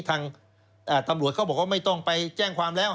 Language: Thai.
ทางตำรวจเขาบอกว่าไม่ต้องไปแจ้งความแล้ว